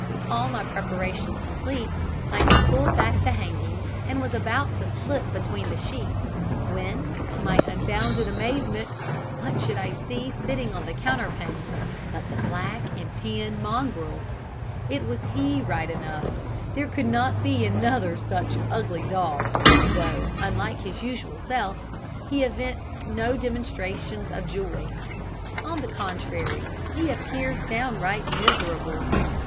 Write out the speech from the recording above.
All my preparations complete, I had pulled back the hangings, and was about to slip in between the sheets, when, to my unbounded amazement, what should I see sitting on the counterpane but the black and tan mongrel. It was he right enough, there could not be another such ugly dog, though, unlike his usual self, he evinced no demonstrations of joy. On the contrary, he appeared downright miserable.